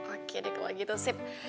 oke deh kalau gitu sih